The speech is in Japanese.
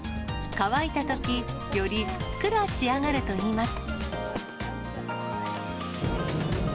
乾いたとき、よりふっくら仕上がるといいます。